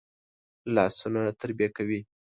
لاسونه تربیه کوي